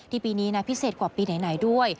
ปีนี้นะพิเศษกว่าปีไหนด้วย